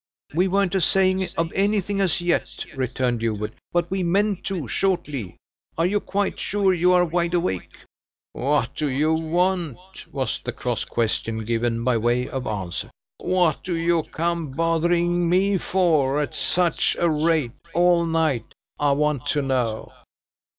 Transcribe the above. "We weren't a saying of anything as yet," returned Hubert; "but we mean to, shortly. Are you quite sure you are wide awake?" "What do you want?" was the cross question, given by way of answer. "What do you come bothering me for at such a rate, all night, I want to know?"